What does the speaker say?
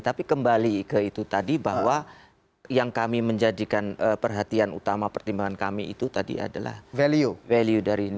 tapi kembali ke itu tadi bahwa yang kami menjadikan perhatian utama pertimbangan kami itu tadi adalah value dari